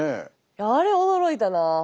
あれ驚いたな。